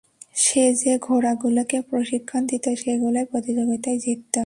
সে যে ঘোড়াগুলোকে প্রশিক্ষণ দিতো সেগুলোই প্রতিযোগিতায় জিততো।